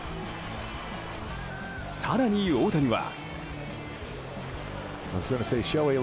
更に大谷は。